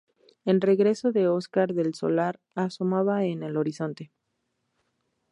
El regreso de Óscar Del Solar asomaba en el horizonte.